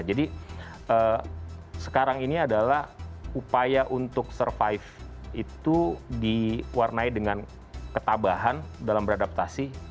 jadi sekarang ini adalah upaya untuk survive itu diwarnai dengan ketabahan dalam beradaptasi